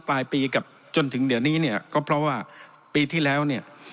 ปลายปีกับจนถึงเดี๋ยวนี้เนี่ยก็เพราะว่าปีที่แล้วเนี่ย